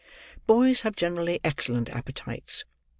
Boys have generally excellent appetites.